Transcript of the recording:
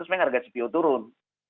terus memang harga cpo turun